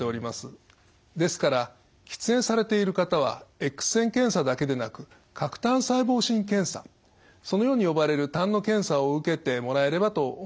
ですから喫煙されている方はエックス線検査だけでなく喀痰細胞診検査そのように呼ばれるたんの検査を受けてもらえればと思います。